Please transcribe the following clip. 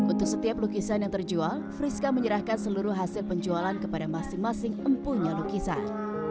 untuk setiap lukisan yang terjual friska menyerahkan seluruh hasil penjualan kepada masing masing empunya lukisan